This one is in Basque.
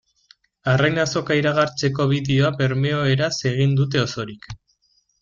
Arrain Azoka iragartzeko bideoa bermeoeraz egin dute osorik.